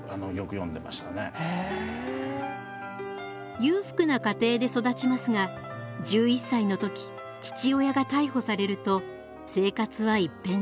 裕福な家庭で育ちますが１１歳の時父親が逮捕されると生活は一変します。